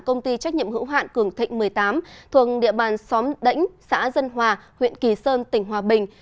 công ty trách nhiệm hữu hạn cường thịnh một mươi tám thuộc địa bàn xóm đảnh xã dân hòa huyện kỳ sơn tỉnh hòa bình